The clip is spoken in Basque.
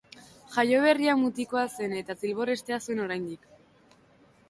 Jaioberria mutikoa zen eta zilbor-hestea zuen oraindik.